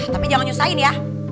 tapi jangan nyusahin ya